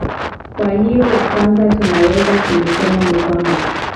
kwa hiyo la kwanza tunaloweza kulisema ni kwamba